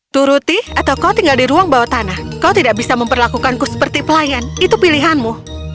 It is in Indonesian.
turuti atau kau tinggal di ruang bawah tanah kau tidak bisa memperlakukanku seperti pelayan itu pilihanmu